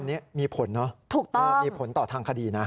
อันนี้มีผลเนอะถูกต้องมีผลต่อทางคดีนะ